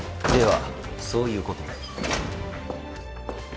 ではそういうことで。